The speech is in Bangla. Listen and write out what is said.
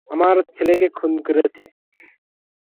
আমার ছেলেকেও খুন করেছে।